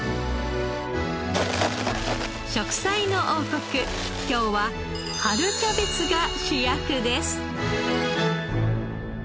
『食彩の王国』今日は春キャベツが主役です。